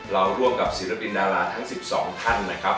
ร่วมกับศิลปินดาราทั้ง๑๒ท่าน